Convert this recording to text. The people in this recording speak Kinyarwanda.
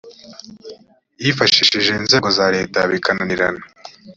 yifashishije inzego za leta bikananirana